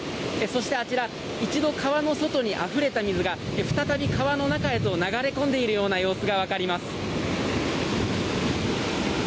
そしてあちら一度、川の外にあふれた水が再び川の中へと流れ込んでいる様子が分かります。